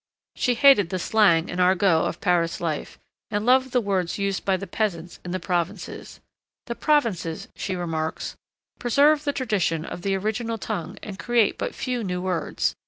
She hated the slang and argot of Paris life, and loved the words used by the peasants in the provinces. 'The provinces,' she remarks, 'preserve the tradition of the original tongue and create but few new words.